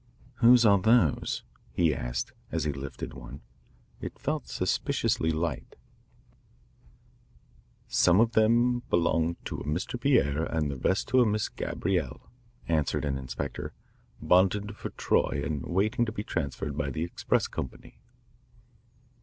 "Whose are those?" he asked as he lifted one. It felt suspiciously light. "Some of them belong to a Mr. Pierre and the rest to a Miss Gabrielle," answered an inspector. "Bonded for Troy and waiting to be transferred by the express company."